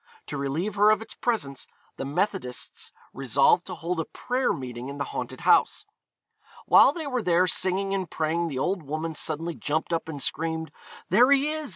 To relieve her of its presence the Methodists resolved to hold a prayer meeting in the haunted house. While they were there singing and praying the old woman suddenly jumped up and screamed, 'There he is!